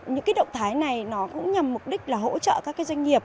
những động thái này cũng nhằm mục đích là hỗ trợ các doanh nghiệp